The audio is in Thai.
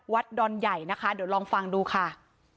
ดอนใหญ่นะคะเดี๋ยวลองฟังดูค่ะ